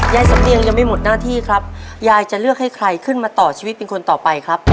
ยายสำเนียงยังไม่หมดหน้าที่ครับยายจะเลือกให้ใครขึ้นมาต่อชีวิตเป็นคนต่อไปครับ